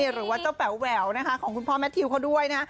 หรือว่าเจ้าแป๋วแหววนะคะของคุณพ่อแมททิวเขาด้วยนะ